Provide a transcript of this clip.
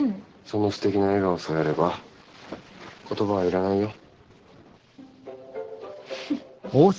そのすてきな笑顔さえあれば言葉はいらないよ。